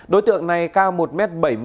đối tượng này cao một m bảy mươi hai